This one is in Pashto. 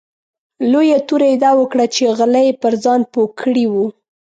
لویه توره یې دا وکړه چې غله یې پر ځان پوه کړي وو.